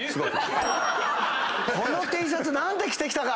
このＴシャツ何で着てきたか！